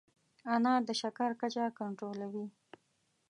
انار د شکر کچه کنټرولوي.